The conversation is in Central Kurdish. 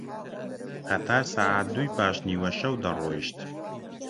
قەتار سەعات دووی پاش نیوەشەو دەڕۆیشت